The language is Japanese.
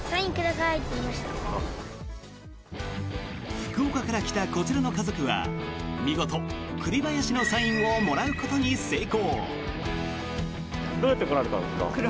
福岡から来たこちらの家族は見事、栗林のサインをもらうことに成功。